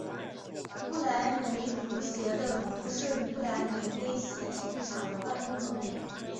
不来梅足协的总部设于不来梅威悉体育场的办公楼内。